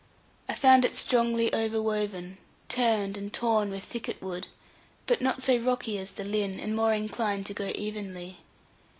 I found it strongly over woven, turned, and torn with thicket wood, but not so rocky as the Lynn, and more inclined to go evenly.